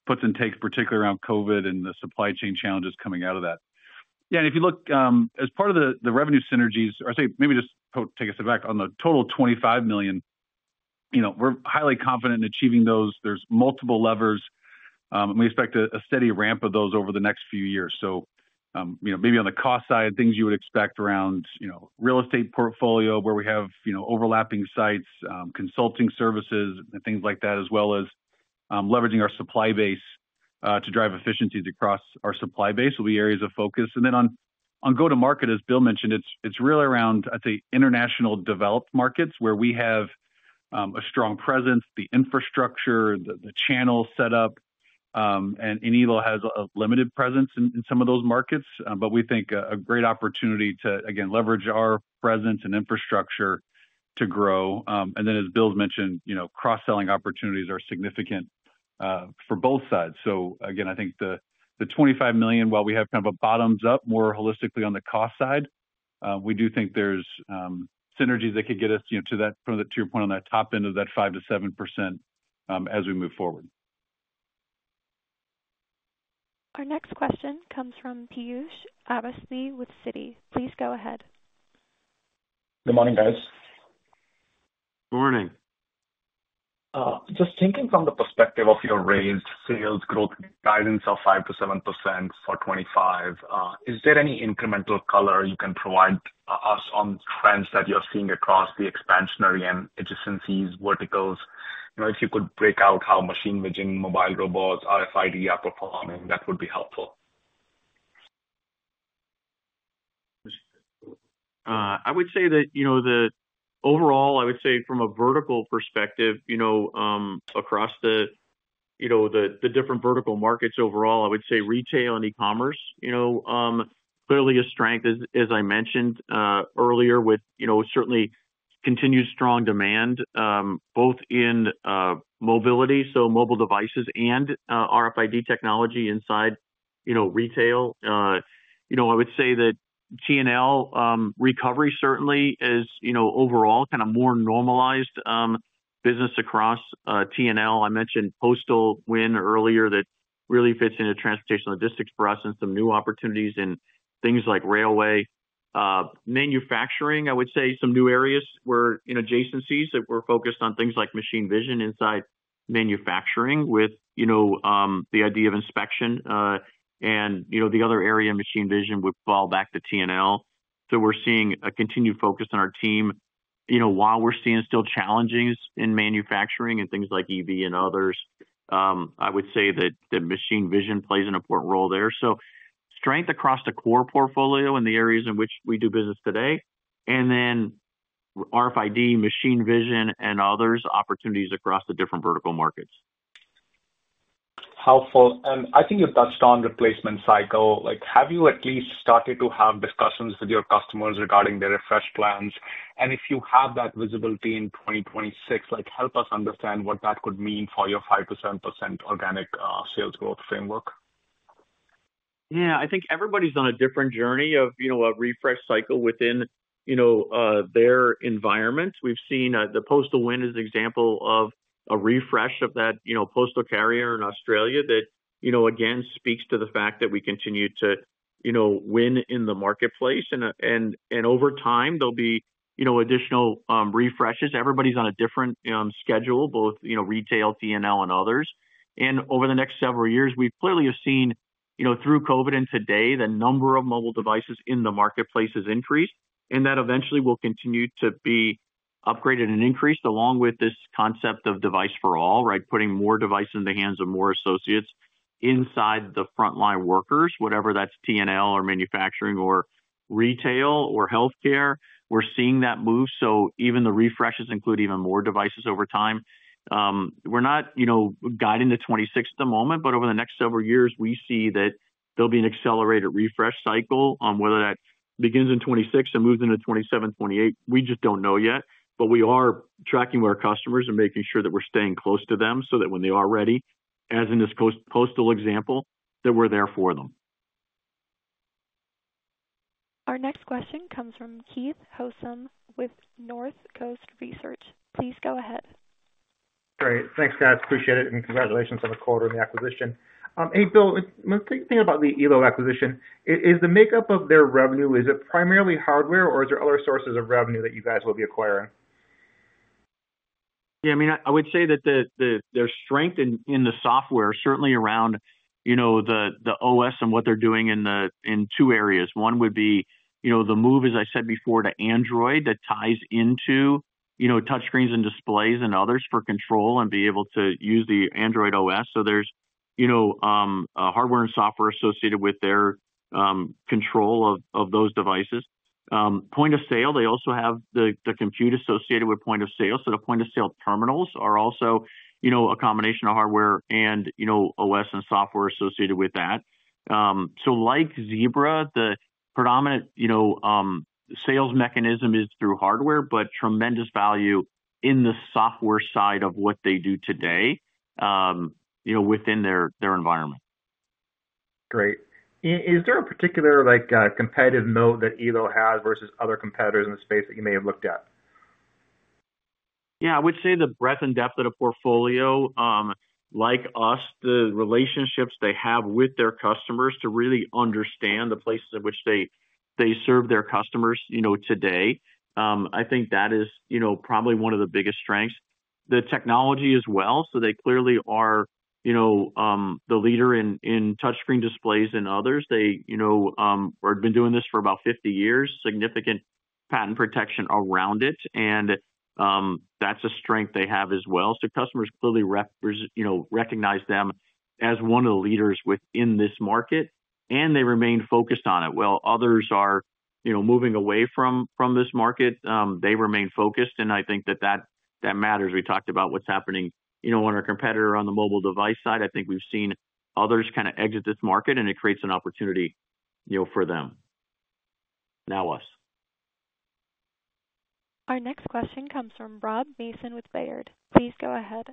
puts and takes, particularly around Covid and the supply chain challenges coming out of that. Yeah. If you look as part of the revenue synergies or maybe just take a step back on the total $25 million, we're highly confident in achieving those. There are multiple levers. We expect a steady ramp of those over the next few years. Maybe on the cost side, things you would expect around real estate portfolio where we have overlapping sites, consulting services and things like that, as well as leveraging our supply base to drive efficiencies across. Our supply base will be areas of focus. On go-to-market. As Bill mentioned, it's really around, I'd say, international developed markets where we have a strong presence, the infrastructure, the channel set up, and Elo has a limited presence in some of those markets, but we think a great opportunity to again leverage our presence and infrastructure to grow. As Bill's mentioned, you know, cross-selling opportunities are significant for both sides. I think the $25 million, while we have kind of a bottoms up more holistically on the cost side, we do think there's synergies that could get us to that. To your point on that top end of that 5%-7% as we move forward. Our next question comes from Piyush Avasthy with Citi. Please go ahead. Good morning, guys. Morning. Just thinking from the perspective of your raised sales growth guidance of 5%-7% for 2025, is there any incremental color you can provide us on trends that you're seeing across the expansionary and adjacencies verticals? If you could break out how machine vision, mobile computers, autonomous mobile robots, RFID solutions are performing, that would be helpful. I would say that from a vertical perspective, across the different vertical markets overall, retail and e-commerce are clearly a strength, as I mentioned earlier, with certainly continued strong demand both in mobility, so mobile devices and RFID technology inside retail. I would say that transportation and logistics recovery certainly is overall kind of more normalized business across transportation and logistics. I mentioned the postal win earlier. That really fits into transportation and logistics for us, and some new opportunities in things like railway manufacturing. I would say some new areas were in adjacencies that we're focused on, things like machine vision inside manufacturing with the idea of inspection. The other area, machine vision, would fall back to transportation and logistics. We're seeing a continued focus on our team. While we're seeing still challenges in manufacturing and things like EV and others, I would say that the machine vision plays an important role there. Strength across the core portfolio in the areas in which we do business today, and then RFID solutions, machine vision, and others, opportunities across the different vertical markets. Helpful. I think you touched on replacement cycle. Have you at least started to have discussions with your customers regarding their refresh plans, and if you have that visibility in 2026, help us understand what that could mean for your 5%-7% organic sales growth framework? I think everybody's on a different journey of a refresh cycle within their environment. We've seen the postal win as an example of a refresh of that postal carrier in Australia. That again speaks to the fact that we continue to win in the marketplace, and over time there'll be additional refreshes. Everybody's on a different schedule, both retail, transportation and logistics, and others. Over the next several years, we clearly have seen through COVID and today the number of mobile devices in the marketplace has increased and that eventually will continue to be upgraded and increased along with this concept of device for all. Right, putting more devices in the hands of more associates inside the frontline workers, whether that's transportation & logistics or manufacturing or retail or health care, we're seeing that move. Even the refreshes include even more devices over time. We're not guiding the 2026 moment, but over the next several years we see that there will be an accelerated refresh cycle. Whether that begins in 2026 and moves into 2027, 2028, we just don't know yet. We are tracking our customers and making sure that we're staying close to them so that when they are ready, as in this postal example, we're there for them. Our next question comes from Keith Housum with Northcoast Research. Please go ahead. Great. Thanks, guys. Appreciate it. Congratulations on the quarter and the acquisition. Hey, Bill, think about the ELO acquisition. Is the makeup of their revenue primarily hardware or are there other sources of revenue that you guys will be acquiring? Yeah, I mean, I would say that there's strength in the software certainly around the OS and what they're doing in two areas. One would be the move, as I said before, to Android that ties into touchscreens and displays and others for control, and be able to use the Android OS. So there's hardware and software associated with their control of those devices, point-of-sale. They also have the compute associated with point-of-sale. The point-of-sale terminals are also a combination of hardware and OS and software associated with that. Like Zebra, the predominant sales mechanism is through hardware, but tremendous value in the software side of what they do today within their environment. Great. Is there a particular, like, competitive mode that Elo has versus other competitors in the space that you may have looked at? Yeah, I would say the breadth and depth of the portfolio, like us, the relationships they have with their customers to really understand the places in which they serve their customers. Today I think that is probably one of the biggest strengths, the technology as well. They clearly are the leader in touchscreen displays and others. They have been doing this for about 50 years, significant patent protection around it, and that's a strength they have as well. Customers clearly recognize them as one of the leaders within this market, and they remain focused on it while others are moving away from this market. They remain focused, and I think that matters. We talked about what's happening when our competitor on the mobile device side, I think we've seen others kind of exit this market, and it creates an opportunity for them, now us. Our next question comes from Rob Mason with Baird. Please go ahead.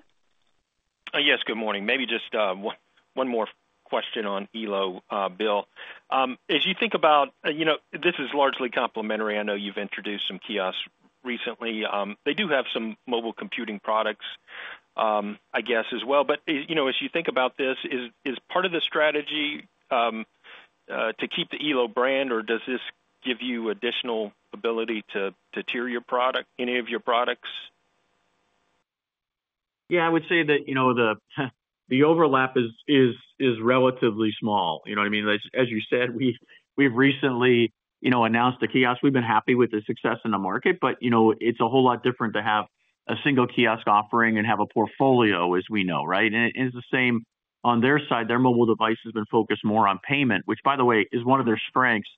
Yes, good morning. Maybe just one more question on Elo, Bill, as you think about, you know, this is largely complementary. I know you've introduced some kiosks recently. They do have some mobile computing products I guess as well. As you think about this, is part of the strategy to keep the ELO brand or does this give you additional ability to tier your product, any of your products? Yeah, I would say that the overlap is relatively small. You know what I mean? As you said, we've recently announced the kiosk. We've been happy with the success in the market, but it's a whole lot different to have a single kiosk offering and have a portfolio as we know. Right. On their side, their mobile device has been focused more on payment, which by the way is one of their strengths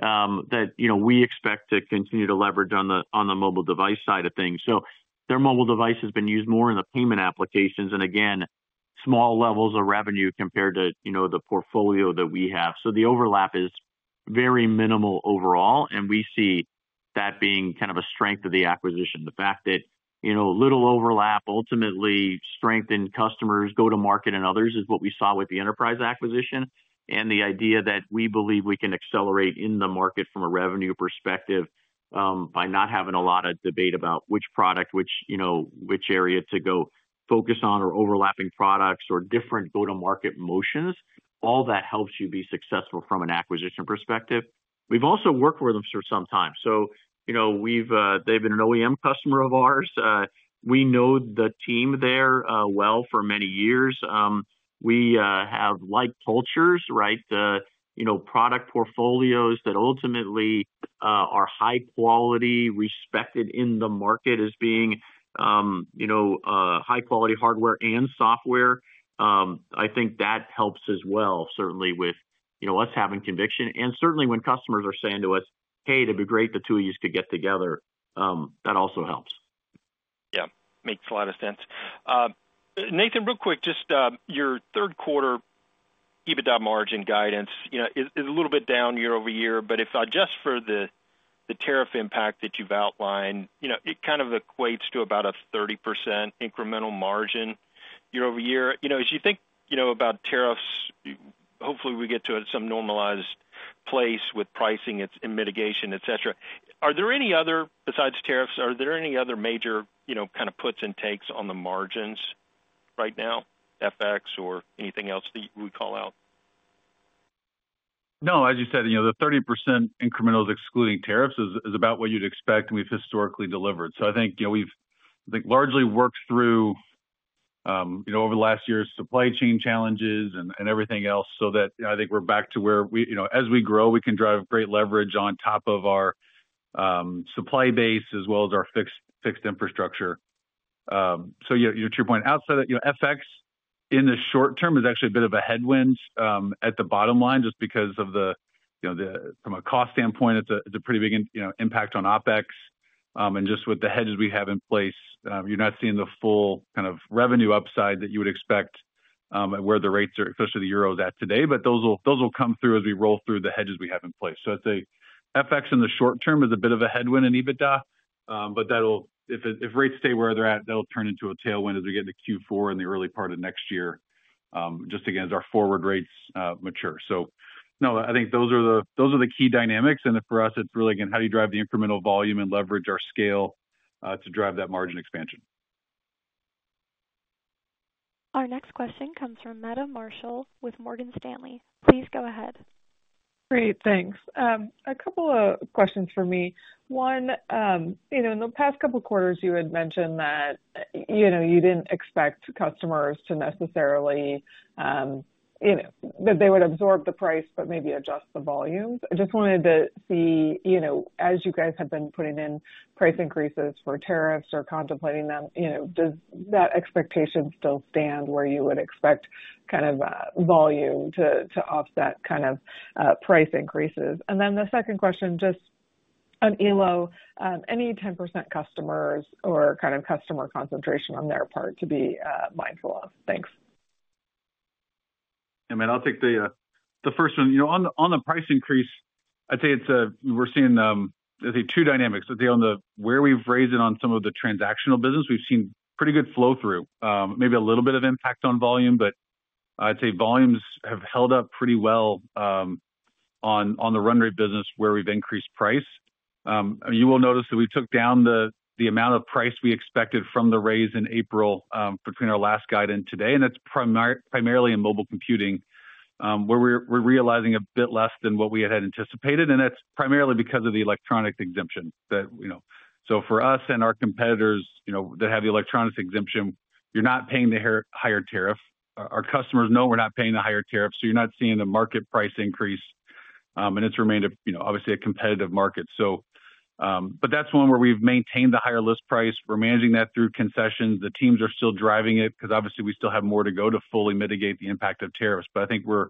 that we expect to continue to leverage on the mobile device side of things. Their mobile device has been used more in the payment applications and again, small levels of revenue compared to the portfolio that we have. The overlap is very minimal overall. We see that being kind of a strength of the acquisition. The fact that little overlap, ultimately strengthen customers, go to market and others is what we saw with the enterprise acquisition and the idea that we believe we can accelerate in the market from a revenue perspective by not having a lot of debate about which product, which area to go focus on, or overlapping products or different go-to-market motions, all that helps you be successful from an acquisition perspective. We've also worked for them for some time. They've been an OEM customer of ours. We know the team there well for many years. We have like cultures, product portfolios that ultimately are high quality, respected in the market as being high quality hardware and software. I think that helps as well. Certainly with us having conviction and certainly when customers are saying to us, hey, it'd be great the two of you could get together, that also helps. Yeah, makes a lot of sense. Nathan, real quick, just your third quarter EBITDA margin guidance is a little bit down year over year, but if just for the tariff impact that you've outlined, it kind of equates to about a 30% incremental margin year-over-year. As you think about tariffs, hopefully we get to some normalized place with pricing and mitigation, et cetera. Are there any other, besides tariffs, are there any other major kind of puts and takes on the margins right now, FX or anything else that we call out? No, as you said, the 30% incrementals excluding tariffs is about what you'd expect, and we've historically delivered. I think we've largely worked through over the last year's supply chain challenges and everything else. I think we're back to where we, as we grow, we can drive great leverage on top of our supply base as well as our fixed infrastructure. To your point, outside that, FX in the short term is actually a bit of a headwind at the bottom line just because from a cost standpoint, it's a pretty big impact on OpEx. With the hedges we have in place, you're not seeing the full kind of revenue upside that you would expect where the rates are, especially the Euros at today. Those will come through as we roll through the hedges we have in place. FX in the short term is a bit of a headwind in EBITDA, but if rates stay where they're at, that'll turn into a tailwind as we get into Q4 and the early part of next year, just again as our forward rates mature. I think those are the key dynamics and for us it's really again, how do you drive the incremental volume and leverage our scale to drive that margin expansion? Our next question comes from Meta Marshall with Morgan Stanley. Please go ahead. Great, thanks. A couple of questions for me. One, in the past couple quarters you had mentioned that you didn't expect customers to necessarily, you know, that they would absorb the price but maybe adjust the volumes. I just wanted to see, as you guys have been putting in price increases for tariffs or contemplating them, does that expectation still stand where you would expect kind of volume to offset kind of price increases? The second question, just on Elo, any 10% customers or kind of customer concentration on their part to be mindful of. Thanks. I'll take the first one. You know, on the price increase, I'd say we're seeing two dynamics. Where we've raised it on some of the transactional business, we've seen pretty good flow through, maybe a little bit of impact on volume, but I'd say volumes have held up pretty well on the run rate business where we've increased price. You will notice that we took down the amount of price we expected from the raise in April between our last guide and today. That's primarily in mobile computing where we're realizing a bit less than what we had anticipated. That's primarily because of the electronics exemption. For us and our competitors that have the electronics exemption, you're not paying the higher tariff. Our customers know we're not paying the higher tariff, so you're not seeing a market price increase and it's remained, obviously, a competitive market. So. That's one where we've maintained the higher list price. We're managing that through concessions. The teams are still driving it because obviously we still have more to go to fully mitigate the impact of tariffs. I think we're,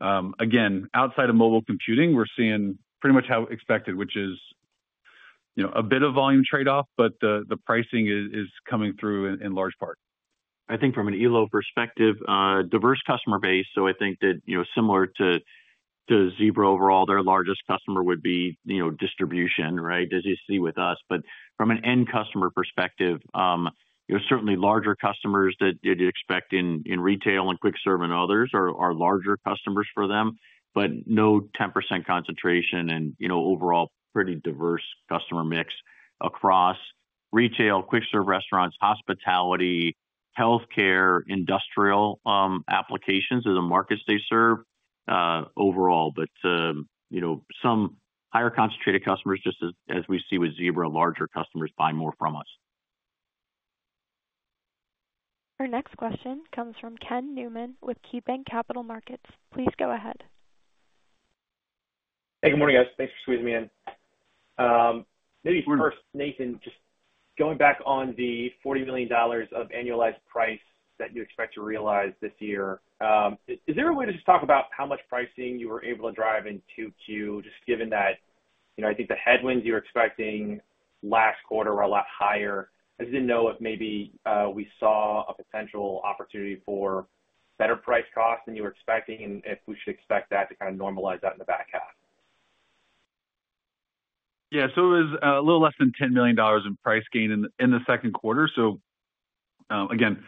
again, outside of mobile computing. We're seeing pretty much how expected, which is a bit of volume trade off, but the pricing is coming through in large part. I think from an Elo perspective, diverse customer base. I think that similar to Zebra overall, their largest customer would be Distribution as you see with us, but from an end customer perspective, certainly larger customers that you'd expect in retail and quick serve and others are larger customers for them, but no 10% concentration, and overall pretty diverse customer mix across retail, quick serve restaurants, hospitality, health care, industrial applications of the markets they serve overall. Some higher concentrated customers just as we see with Zebra, larger customers buy more from us. Our next question comes from Ken Newman with KeyBanc Capital Markets. Please go ahead. Hey, good morning guys. Thanks for squeezing me in. Maybe first, Nathan, just going back on the $40 million of annualized price that you expect to realize this year, is there a way to just talk about how much pricing you were able to drive in 2Q? Just given that, I think the headwinds you were expecting last quarter were a lot higher. I just didn't know if maybe we saw a potential opportunity for better price cost than you were expecting and if we should expect that to kind of normalize that in the back half. Yeah, it was a little less than $10 million in price gain in the second quarter. Again,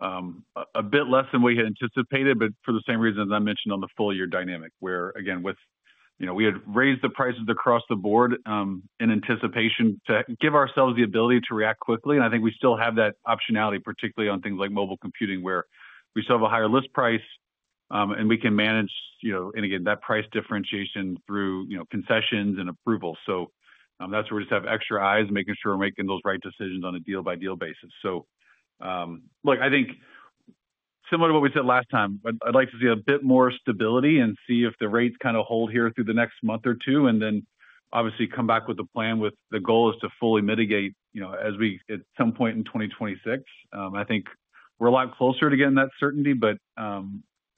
a bit less than we had anticipated, but for the same reason as I mentioned on the full year dynamic where we had raised the prices across the board in anticipation to give ourselves the ability to react quickly. I think we still have that optionality, particularly on things like mobile computing where we still have a higher list. Price and we can manage, you know, and again that price differentiation through, you know, concessions and approvals. That's where we just have extra eyes making sure we're making those right decisions on a deal by deal basis. I think similar to what we said last time, I'd like to see a bit more stability and see if the rates kind of hold here through the next month or two, and then obviously come back with a plan with the goal is to fully mitigate, you know, as we at some point in 2026. I think we're a lot closer to getting that certainty.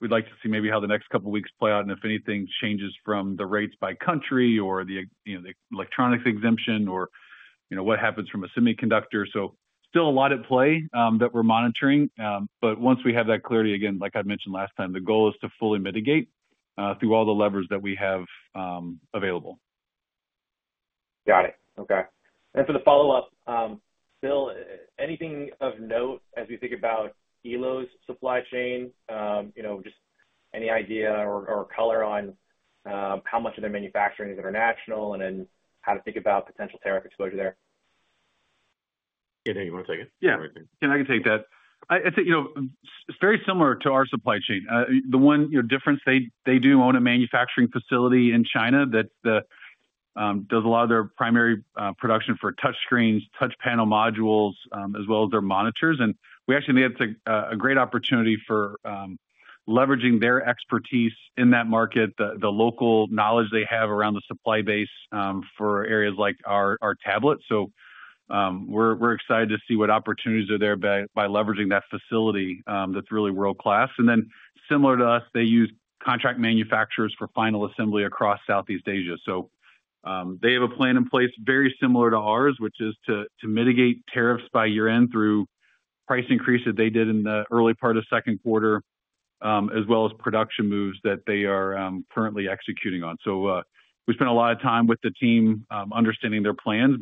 We'd like to see maybe how the next couple weeks play out and if anything changes from the rates by country or the electronics exemption or what happens from a semiconductor. Still a lot at play that we're monitoring. Once we have that clarity again, like I mentioned last time, the goal is to fully mitigate through all the levers that we have available. Got it. Okay. For the follow up, Bill, anything of note as we think about Elo’s supply chain? Just any idea or color on how much of their manufacturing is international, and then how to think about potential tariff exposure there. Yeah, Dan, you want to take it? Yeah, I can take that. I think, you know, it's very similar to our supply chain. The one difference, they do own a manufacturing facility in China that does a lot of their primary production for touchscreens, touch panel modules as well as their monitors. We actually see a great opportunity for leveraging their expertise in that market, the local knowledge they have around the supply base for areas like our tablet. We're excited to see what opportunities are there by leveraging that facility. That's really world class. Similar to us, they use contract manufacturers for final assembly across Southeast Asia. They have a plan in place very similar to ours, which is to mitigate tariffs by year end through price increases they did in the early part of second quarter as well as production moves that they are currently executing on. We spent a lot of time with the team understanding their plans.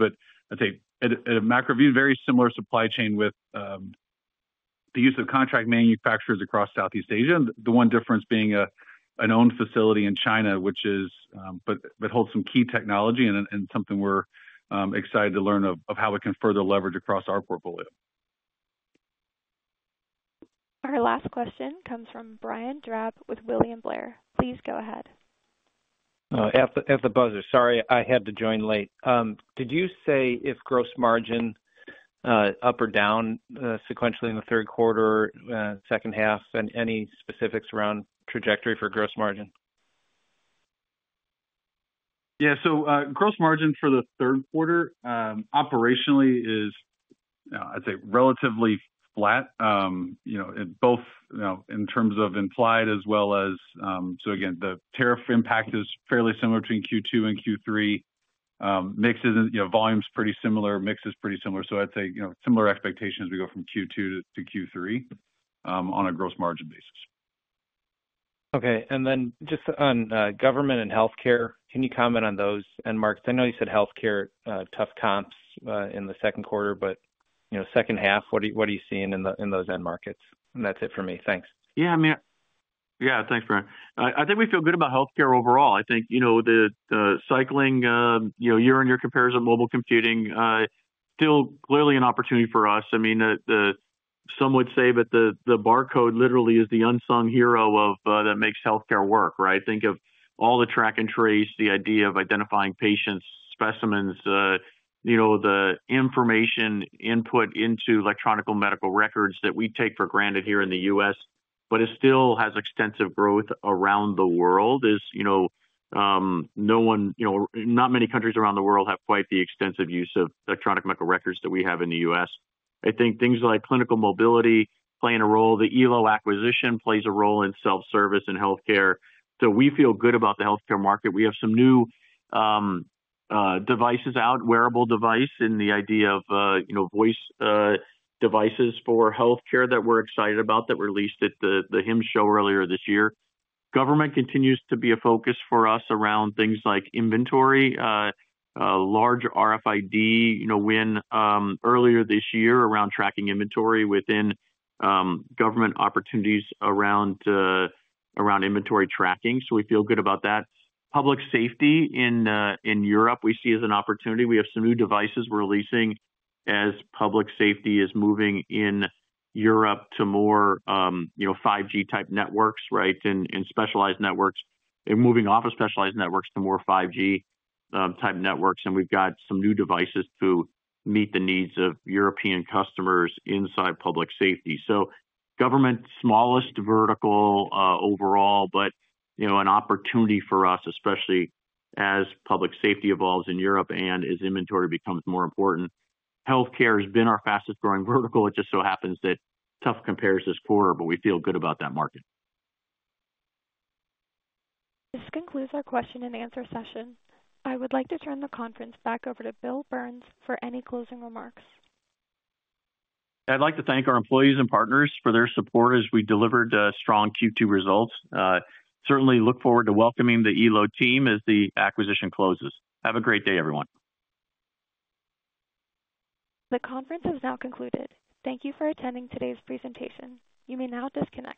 I take a macro view, very similar supply chain with the use of contract manufacturers across Southeast Asia. The one difference being an owned facility in China, which holds some key technology and something we're excited to learn how we can further leverage across our portfolio. Our last question comes from Brian Drab with William Blair. Please go ahead At the buzzer. Sorry I had to join late. Did you say if gross margin up? Down sequentially in the third quarter, second half, and any specifics around trajectory for gross margin? Yeah. Gross margin for the third quarter operationally is, I'd say, relatively flat. Both in terms of implied as well as the tariff impact is fairly similar between Q2 and Q3 mixes. Volume's pretty similar, mix is pretty similar. I'd say similar expectations as we go from Q2 to Q3 on a gross margin basis. Okay. On government and healthcare. Can you comment on those end markets? I know you said healthcare, tough comps in the second quarter, but you know, second half, what are you seeing in those end markets? That's it for me. Thanks. Yeah man. Yeah, thanks, Brian. I think we feel good about healthcare overall. I think the cycling, year-on-year comparison, mobile computing still clearly an opportunity for us. I mean, some would say that the barcode literally is the unsung hero that makes healthcare work. Right. Think of all the track and trace, the idea of identifying patients, specimens, the information input into electronic medical records that we take for granted here in the U.S., but it still has extensive growth around the world. Not many countries around the world have quite the extensive use of electronic medical records that we have in the U.S. I think things like clinical mobility are playing a role. The Elo acquisition plays a role in self-service and healthcare. We feel good about the healthcare market. We have some new devices out, wearable device and the idea of voice devices for healthcare that we're excited about that released at the HIM show earlier this year. Government continues to be a focus for us around things like inventory, large RFID, when earlier this year around tracking inventory within government opportunities around inventory tracking. We feel good about that. Public safety in Europe we see as an opportunity. We have some new devices releasing as public safety is moving in Europe to more 5G type networks, right? And specialized networks and moving off of specialized networks to more 5G type networks. We've got some new devices to meet the needs of European customers inside public safety. Government is the smallest vertical overall, but an opportunity for us especially as public safety evolves in Europe and as inventory becomes more important. Healthcare has been our fastest growing vertical. It just so happens that tough compares this quarter, but we feel good about that market. This concludes our question and answer session. I would like to turn the conference back over to Bill Burns for any closing remarks. I'd like to thank our employees and partners for their support as we delivered strong Q2 results. Certainly look forward to welcoming the Elo team as the acquisition closes. Have a great day everyone. The conference has now concluded. Thank you for attending today's presentation. You may now disconnect.